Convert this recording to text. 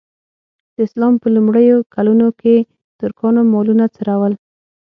د اسلام په لومړیو کلونو کې ترکانو مالونه څرول.